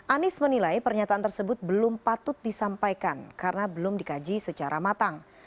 anies menilai pernyataan tersebut belum patut disampaikan karena belum dikaji secara matang